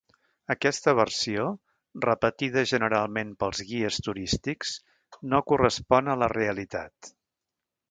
Aquesta versió, repetida generalment pels guies turístics, no correspon a la realitat.